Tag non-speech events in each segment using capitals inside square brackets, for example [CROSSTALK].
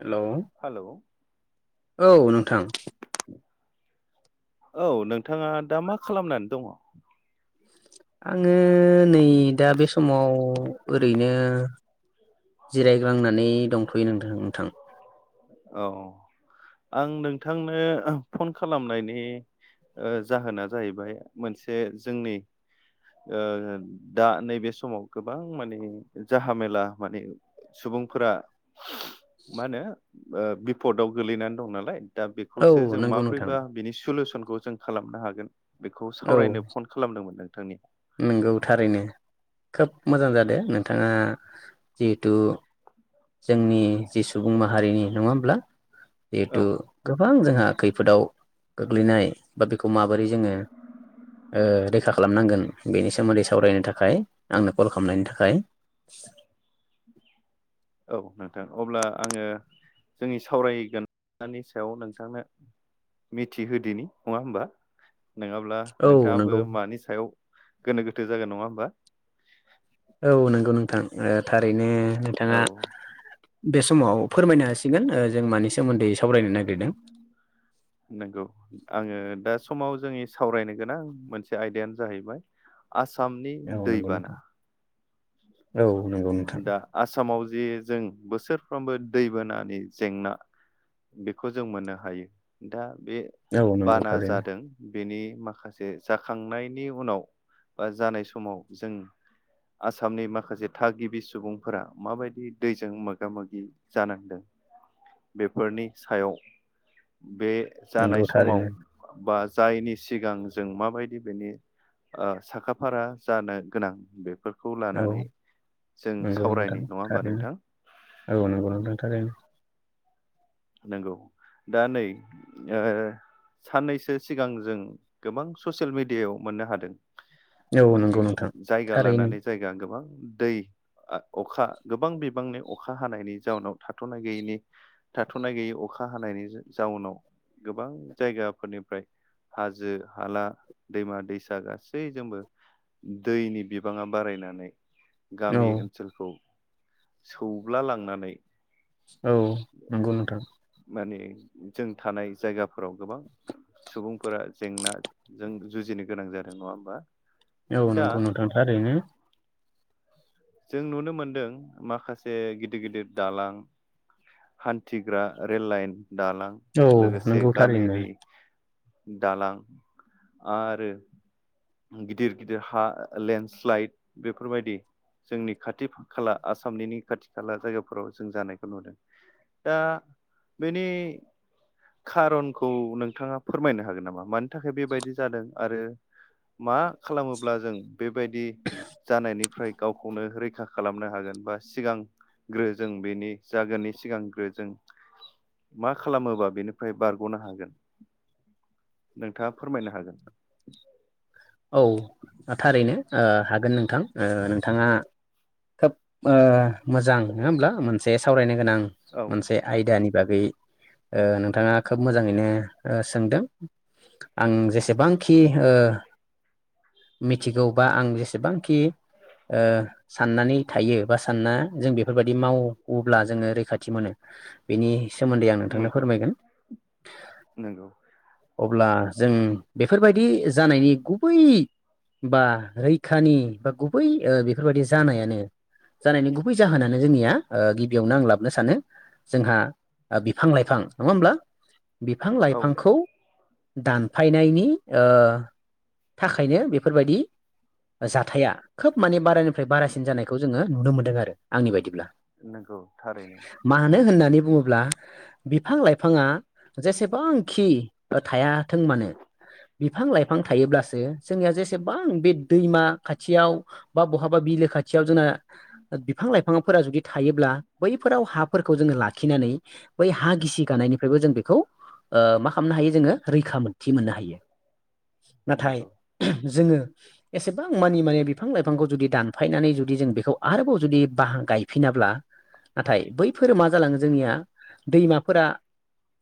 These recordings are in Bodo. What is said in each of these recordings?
हेलौ हेलौ औ नोंथां औ नोंथाङा दा मा खालामनानै दङ? आङो नै दा बे समाव ओरैनो जिरायग्रांनानै दंथ'यो नोंथ नोंथां। औ आं नोंथांनो फन खालामनायनि जाहोना जाहैबाय मोनसे जोंनि ओ दा नैबे समाव गोबां माने जाहामेला माने सुबुंफोरा मा होनो ओ बिपदाव गोगलैनानै दं नालाय दा औ बेखौसो जों नंगौ नोंथां माब्रैबा बिनि सलुसन खौ जों खालामनो हागोन। बेखौ औ सावरायनो फन खालामदोंमोन नोंथांनिया नंगौ थारैनो खोब मोजां जादों नोंथाङा जिहेथु जोंनि जि सुबुं माहारिनि नङा होमब्ला औ जिहेथु गोबां जोंहा खैफोदाव गोग्लैनाय बा बेखौ माबोरै जोङो ओ रैखा खालामनांगोन बेनि सोमोन्दै सावरायनो थाखाय आंनो कल खालामनायनि थाखाय। [INAUDIBLE] औ नोंथां अब्ला आङो जोंनि सावरायगोनानि सायाव नोंथांनो मिथिहोदोनि नङा होमबा नङाब्ला औ नोंथाङाबो नंगौ मानि सायाव गोनो गोथो जागोन नङा होमबा औ नंगौ नोंथां थारैनो औ नोंथाङा बे समाव फोरमायनो हासिगोन ओ जों मानि सोमोन्दै सावरायनो नागिरदों नंगौ आङो दा समाव जोंनि सावरायनो गोनां मोनसे आयदायानो जाहैबाय आसामनि औ नंगौ नोंथां दैबाना औ नंगौ नोंथां दा आसामाव जे जों बोसोरफ्रोमबो दैबानानि जेंना बेखौ जों मोननो हायो दा बे औ नंगौ बाना थारैनो जादों बेनि माखासे जाखांनायनि उनाव बा जानाय समाव जों आसामनि माखासे थागिबि सुबुंफोरा माबायदि दैजों मोगा मोगि जानांदों बेफोरनि सायाव बे जानाय नंगौ समाव थारैनो बा जाियनि सिगां जों माबायदि बेनि साखाफारा जानो गोनां बे बेफोरखौ लानानै औ जों नंगौ सावरायनि नोंथां नङा होमबा थारैनो नोंथां औ नोंगौ नोंथां थारैनो नंगौ दा नै ओ साननैसो सिगां जों गोबां ससियेल मिडियायाव मोननो हादों औ माने नंगौ नोंथां जायगा थारैनो लानानै जायगा गोबां दै अखा गोबां बिबांनि अखा हानायनि जाउनाव थाथ'नाय गैयैनि थाथ'नाय गैयै अखा हानायनि जाउनाव गोबां जायगाफोरनिफ्राय हाजो हाला दैमा दैसा गासैजोंबो दैनि बिबाङा बारायनानै औ गामि ओनसोलखौ सौब्ला लांनानै औ नंगौ नोंथां माने जों थानाय जायगाफोराव गोबां सुबुंफोरा जेंनाजों जुजिनो गोनां जादों नङा होमबा औ दा नंगौ नोंथां थारैनो जों नुनो मोनदों माखासे गिदिर गिदिर दालां हान्थिग्रा रेल लाइन दालां औ लोगोसे नंगौ थारैनो गामिनि दालां आरो गिदिर गिदिर हा लेन्डस्लाइद बेफोरबायदि जोंनि खाथि खाला आसामनि खाथि खाला जायगाफोराव जों जानायखौ नुदों दा बेनि खारनखौ नोंथाङा फोरमायनो हागोन नामा मानि थाखाय बेबायदि जादों आरो मा खालामोब्ला जों बेबायदि जानायनिफ्राय गावखौनो रैखा खालामनो हागोन बा सिगां ग्रो जों बेनि जागोननि सिगांग्रो जों मा खालामोबा बेनिफ्राय बारग'नो हागोन नोंथाङा फोरमायनो हागोन औ थारैनो ओ हागोन नोंथां ओ नोंथाङा खोब ओ मोजां नङा होमब्ला मोनसे सावरायनो गोनां औ मोनसे आयदानि बागै ओ नोंथाङा खोब मोजाङैनो ओ सोंदों आं जेसेबांखि ओ [INAUDIBLE] मिथिगौबा आं जेसेबांखि ओ साननानै थायो बा सानना जों बेफोरबायदि मावोब्ला जोङो रैखाथि मोनो बेनि सोमोन्दै आं नोंथांनो नंगौ फोरमायगोन नंगौ अब्ला जों बेफोरबायदि जानायनि गुबै बा रैखानि बा गुबै ओ बेफोरबायदि जानायानो जानायनि गुबै जाहोनानो जोंनिया गिबियावनो आं लाबोन सानो जोंहा बिफां लाइफां नङा होमब्ला बिफां औ लाइफांखौ दानफायनायनि ओ थाखायनो बेफोरबायदि जाथाया खोब माने बारानिफ्राय बारासिन जानायखौ जोङो नुनो मोन्दों आरो आंनि बायदिब्ला। नोंगौ थारैनो मानो होननानै बुङोब्ला बिफां लाइफाङा जेसेबांखि थायाथों मानो बिफां लाइफां थायोब्लासो जोंनिया जेसेबां बे दैमा खाथियाव बा बहाबा बिलो खाथियाव जोंना बिफां लाइफ बिफांफोरा जुदि थायोब्ला बैफोराव हाफोरखौ जोङो लाखिनानै बै हा गिसि गानायनिफ्रायबो जों बेखौ ओ मा खालामनो हायो जोङो रैखा मोनथि मोननो हायो नाथाय नंगौ जोङो एसेबां मानि मानिे बिफां लाइफांखौ ज बाहा गायफिनाब्ला नाथाय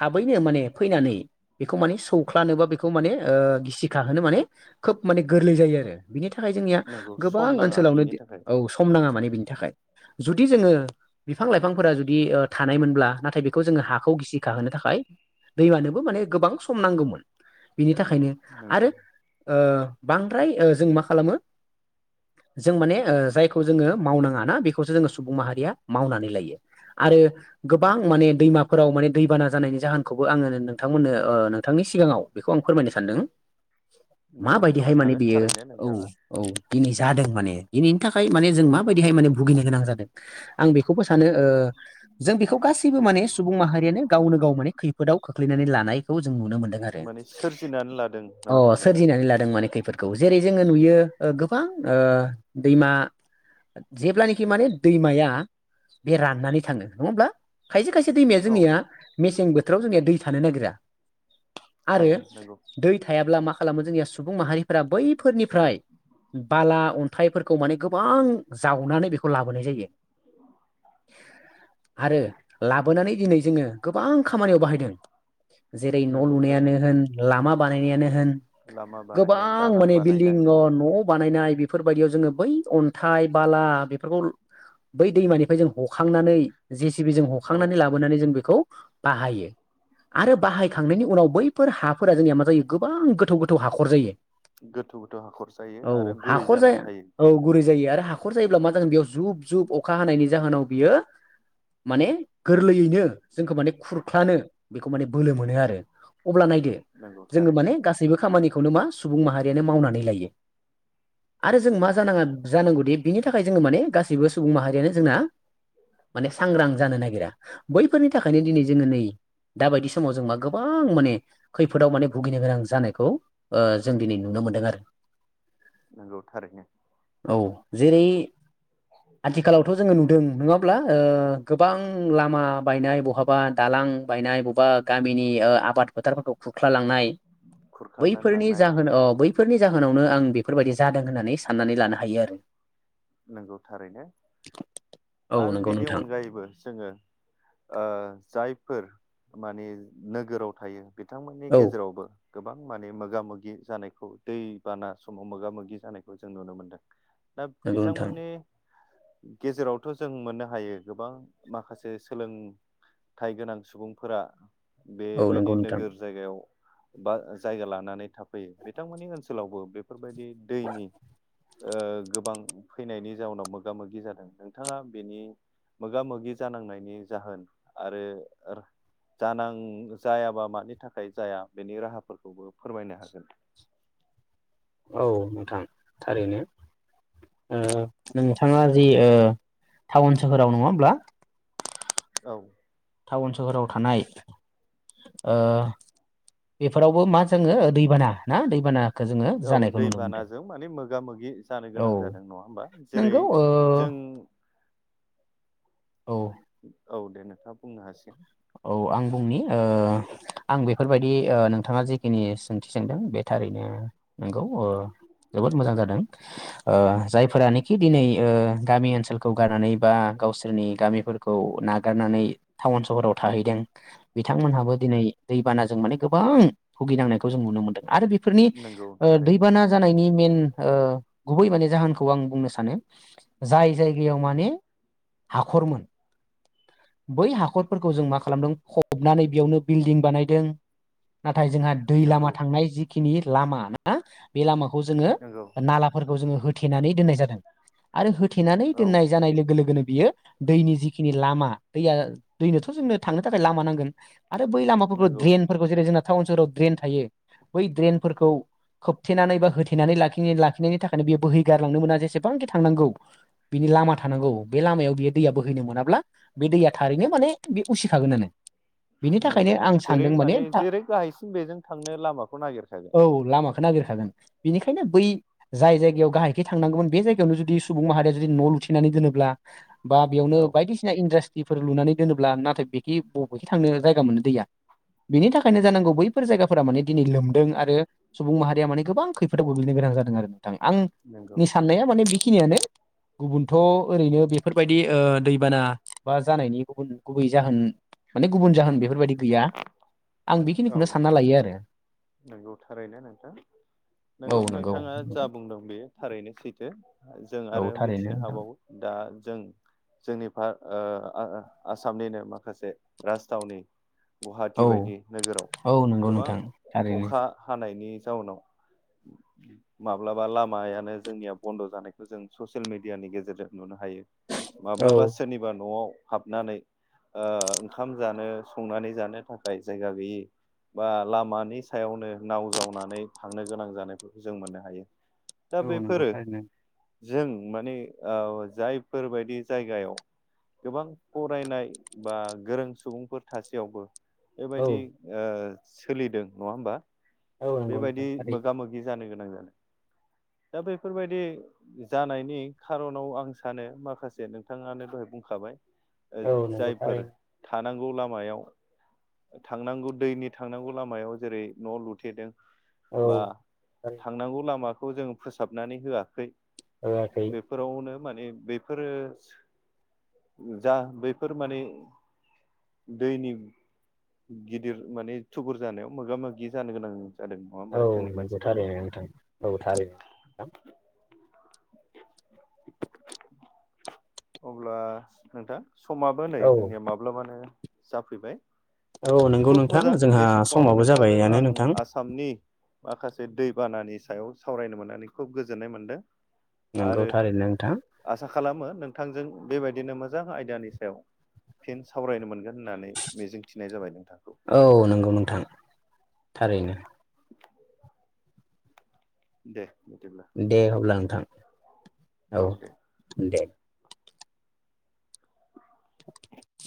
थाबैनो माने फैनानै बेखौ माने सौख्लानो बा बेखौ माने गिसिखाहोनो माने खोब माने गोरलै जायो आरो बिनि थाखाय जोंनिया नंगौ सम गोबां नाङा ओनसोलावनो बेनि थाखाय औ सम नाङा माने बि थाखाय जुदि जोङो बिफां लाइफांफोरा जुदि थानायमोनब्ला नाथाय बेखौ जोङो हाखौ गिसि बाहोनो थाखाय दैमानोबो माने गोबां सम नांगौमोन बिनि थाखायनो नंगौ आरो ओ बांद्राय जों मा खालामो जों माने ओ जायखौ जोङो मावनाङा ना बेखौसो जोङो सुबुं माहारिया मावनानै लायो आरो गोबां माने दैमाफोराव माने दैबाना जानायनि जाहोनखौबो आङो नोंथांमोननो नोंथांनि सिगाङाव बेखौ आं फोरमायनो सानदों [INAUDIBLE] माबायदिहाय फोरमायनो माने हागोन बेयो थारैनो औ नोंथाङा औ दिनि जादों माने बेनि थाखाय माने जों माबायदिहाय माने भुगिनो गोनां जादों आं बेखौबो सानो ओ जों बेखौ गासैबो माने सुबुं माहारियानो गावनो गाव माने खैफोदाव खो खोख्लैनानै लानायखौ जों नुनो मोनदों आरो माने सोरजिनानै लादों नङा अ होमबा नोंथां सोरजिनानै लादों माने खैफद खौ जेरै जोङो नुयो जेब्लानाखि माने दैमाया बे राननानै थाङो नङा होमब्ला खायसे खायसे दैमाया औ जोंनिया मेसें बोथोराव जोंनिया दै थानो नागिरा आरो हाया नंगौ दै थायाब्ला मा खालामो जोंनिया सुबुं माहारिफोरा बैफोरनिफ्राय बाला अन्थाइफोरखौ माने गोबां जावनानै बेखौ लाबोनाय जायो आरो लाबोनानै दिनै जोङो गोबां खामानियाव बाहायदों जेरै न' नंगौ थारैनो लुनायानो होन लामा बानायनायानो होन लामा बानायनाय गोबां दालां माने बिल्दिं बानायनाय न न' बानायनाय बेफोरबायदियाव जोङो बै अन्थाइ बाला बेफोरखौ बै दैमानिफ्राय जों हखांनानै जे सि बि जों औ हखांनानै लाबोनानै जों बेखौ बाहायो आरो बाहायखांनायनि उनाव बैफोर हाफोरा जोंनिया मा जायो गोबां गोथौ गो थौ हाखर जायो गोथौ गोथौ हाखर जायो औ आरो गुरै हाखर जाया जानानै थायो औ गुरै जायो आरो हाखर जायोब्ला मा जागोन बेयाव जुब जुब अखा हानायनि जाहोनाव बियो माने गोरलैयैनो जोंखौ माने खुरख्लानो बेखौ माने बोलो मोनो आरो अब्ला नायदो नंगौ जोङो थारैनो माने गासैबो खामानिखौनो मा सुबुं माहारियानो मावनानै लायो आरो जों मा जानाङा जानांगौदि बिनि थाखाय जोङो माने गासैबो सुबुं माहारियानो जोंना माने सांग्रां जानो नागिरा बैफोरनि थाखायनो दिनै जोङो नै दा बायदि समाव जों मा गोबां माने खैफोदाव माने भुगिनो गोनां जानाय खौ ओ जों दिनै नुनो मोनदों आरो नंगौ थारैनो औ जेरै आथिखालावथ' जोङो नु दों नङाब्ला ओ गोबां लामा बायनाय बहाबा दालां बायनाय बबेबा गामिनि ओ आबाद फोथारफोरखौ खुरख्ला लांनाय खुरखानानै बैफोरनि लांनाय जाहोन ओ बैफोरनि जाहोनावनो आं बेफोरबायाददि जादों होननानै साननानै लानो हायो आरो नंगौ थारैनो औ आरो नंगौ बेनि नोंथां अनगायैबो जोङो ओ जाय फोर माने नोगोराव थायो बिथांमोननि औ गेजेरावबो गोबां माने मोगा मोगि जानायखौ दैबाना समाव मोगा मोगि जानायखौ जों नुनो मोनदों दा नंगौ नोंथां बिथांमोननि गेजेरावथ' जों मोननो हायो गोबां माखासे सोलों थाय गोनां सुबुंफोरा औ बेबायदि नंगौ नोंथां नोगोर जायगायाव बा जायगा लानानै थाफैयो बिथांमोननि ओनसोलावबो बेफोर बेबायदि दैनि ओ गोबां फैनायनि जाउनाव मोगा मोगि जादों नोंथाङा बेनि मोगा मोगि जानांनायनि जाहोन आरो जानां जायाबा मानि थाखाय जाया बेनि राहाफोरखौबो फोरमायनो हागोन औ नोंथां थारैनो ओम नोंथाङा जि ओ टाउन सोहोराव नङा हब्ला औ टाउन सोहोराव थानाय ओ बेफोरावबो मा जोङो दैबाना ना दैबाना औ दैबानाजों माने मोगा मोगि जानो औ गोनां जादों नङा होमबा जेरै नंगौ ओ जों उम औ औ दे नोंथाङा बुंनो हासिगोन औ आं बुंनि ओ आं बेफोरबायदि ओ नोंथाङा जिखिनि सोंथि सोंदों बे थारैनो नंगौ अ जोबोद मोजां जादों ओ जायफोरानोखि दिनै ओ गामि ओनसोलखौ गारनानै बा गावसोरनि गामिफोरखौ नागारनानै टाउन सहराव थाहैदों बिथांमोनहाबो दिनै दैबानाजों माने गोबां भुगिनांनायखौ जों नुनो मोन्दों आरो बेफोरनि नंगौ ओ थारैनो दैबाना जानायनि मेन ओ गुबै माने जाहोनखौ आं बुंनो सानो जाय जायगायाव माने हाखरमोन बै हाखरफोरखौ जों मा खालामदों फबनानै बेयावनो बिल्डिं बानायदों नाथाय जोंहा दै लामा नंगौ थांनाय जिखिनि लामा ना बे लामाखौ जोङो नंगौ नालाफोर जोंङो होथेनानै दोनाय जादों आरो होथेनानै औ दोनाय जानाय लोगो लोगोनो बियो दैनि जि जिखिनि लामा दैया दैनोथ' जोंनो थांनो थाखाय लामा नांगोन आरो बै लामाफोरखौ नंगौ ड्रेनफोरखौ जेरै जोंना टाउन सोहराव ड्रेन थायो बै ड्रेनफोरखौ खोबथेनानै बा होथेनानै लाखि लाखिनायनि थाखायनो बेयो बोहैगारलांनो मोना जेसेबांखि थांनांगौ बिनि लामा थानांगौ बे लामायाव बियो दैय बो होैनो मोना ब्ला बे दैया थारैनो माने बे उसिखागोनानो बेनि नंगौ थाखायनो आं जेरै सानदों माने जेरै गाहायसिम बेजों थांनो लामाखौ नागिरखागोन औ लामाखौ नागिरखागोन बेनिखायनो बै जाय जायगायाव गाहायखै थांनांगोमोन बे जायगायावनो जुदि सुबुं माहारिया जुदि न' लु थिनानै दोनोब्ला बा बेयावनो औ [UNINTELLIGIBLE] इन्डास्ट्रिफोर लुनानै दोनोब्ला नाथाय बेखि बबेखि थांनो जायगा मोनो दैया बिनि थाखायनो जानांगौ बैफोर जायगाफोरा माने दिनै लोमदों आरो सुबुं माहारिया माने गोबां खैफोदाव गोग्लैनो गो नां जादों आरो थां नंगौ आंनि साननाया माने बेखिनियानो गुबुनथ' ओरैनो बेफोरबायदि ओ दै बाना बा जानायनि गुबुन गुबै जाहोन माने गुबुन जाहोन बेफोरबायदि गैया। आं औ बेखिनिखौनो सानना लायो आरो नंगौ थारैनो नोंथां औ नंगौ नोंथाङा जा नोंथां। बुंदों बे थारैनो सैथो जों औ आरो थारैनो मिथिनो नोंथां हाबावो दा जों जोंनिफा ओ आ आसामनिनो मा खासे राजथावनि औ गुवाहाटि बायदि नोगोराव औ नंगौ गोबां नोंथां थारैनो। अखा हानायनि जाउनाव माब्लाबा लामायानो जोंनिया बन्द' जानायखौ जों ससियेल मिडियानि गेजेरजों नुनो हायो औ माब्लाबा सोरनिबा न'आव हाबनानै ओ ओंखाम जानो संनानै जानो थाखाय जायगा गैयि बा लामा नि सायावनो नाव जावनानै थांनो गोनां जानायफोरखौ जों मोननो हायो। दा औ नंगौ बेफोरो थारैनो जों माने ओ जायफोरबायदि जायगायाव गोबां फरायनाय बा गोरों सुबुंफोर थासेयावबो औ बेबायदि ओ सोलिदों नङा होमबा? औ नंगौ बेबायदि नोंथां थारैनो मोगा मोगि जानो गोनां जादों दा बैफोरबायदि जानायनि खार'नाव आं सानो माखासे नोंथाङानो दहाय बुंखाबाय ओ औ नंगौ जायफोर थारैनो था नांगौ लामायाव थांनांगौ दैनि थांनांगौ लामायाव जेरै न' लुथेदों औ बा थांनांगौ लामाखौ जों फोसाबनानै होआखै होआखै बेफोरावनो माने बेफोरो जा बैफोर माने दैनि गिदिर माने थुबुर जानायाव मोगा मोगि जानो गोनां जादों नङा होमबा औ जोंनि नंगौ मानसिफोरा थारैनो नोंथां औ थारैनो नोंथां। अब्ला नोंथां समाबो नै औ जोंनिया माब्लाबानो जाफैबाय औ नंगौ खुब नोंथां मोजां बे जोंहा समाव समाबो नोंथांजों आं जाबायानो नोंथां। आसामनि माखासे दैबानानि सायाव सावरायनो मोननानै खुब गोजोननाय मोनदों। आरो नंगौथारैनो नोंथां। आसा खालामो नोंथांजों बेबायदिनो मोजां आयदानि सायाव फिन सावरायनो मोनगोन होननानै मिजिंथिनाय जाबाय नोंथांखौ। औ नंगौ नोंथां थारैनो दे। बिदिब्ला दे अब्ला नोंथां औ दे।